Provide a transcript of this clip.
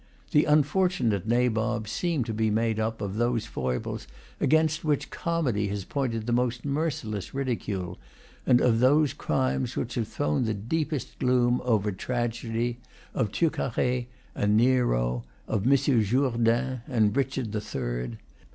The unfortunate Nabob seemed to be made up of those foibles against which comedy has pointed the most merciless ridicule, and of those crimes which have thrown the deepest gloom over tragedy, of Turcaret and Nero, of Monsieur Jourdain and Richard the Third.